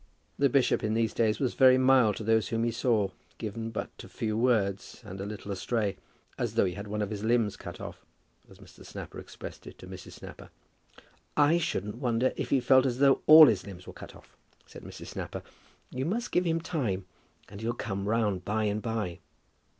The bishop in these days was very mild to those whom he saw, given but to few words, and a little astray, as though he had had one of his limbs cut off, as Mr. Snapper expressed it to Mrs. Snapper. "I shouldn't wonder if he felt as though all his limbs were cut off," said Mrs. Snapper; "you must give him time, and he'll come round by and by."